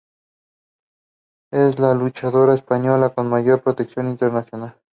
Es la luchadora española con mayor proyección internacional.